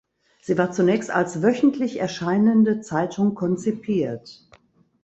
Sie war zunächst als wöchentlich erscheinende Zeitung konzipiert.